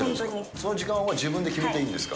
その時間は自分で決めていいんですか？